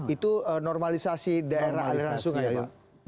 itu normalisasi daerah aliran sungai pak